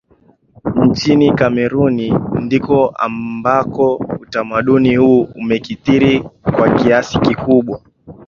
Nchini Kameruni ndiko ambako utamaduni huu umekithiri kwa kiasi kikubwa